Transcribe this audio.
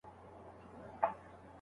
جهاني دلته غوږونه مُلایانو کاڼه کړي